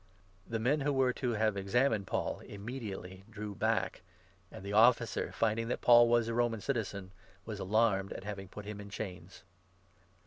The men who were to have examined Paul immediately drew 29 back, and the Officer, finding that Paul was a Roman citizen, was alarmed at having put him in chains.